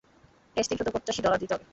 Cash তিনশত পঁচাশি dollar দিতে হবে।